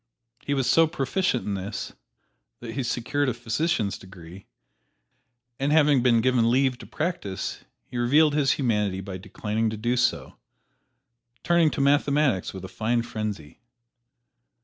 He was so proficient in this that he secured a physician's degree; and having been given leave to practise he revealed his humanity by declining to do so, turning to mathematics with a fine frenzy.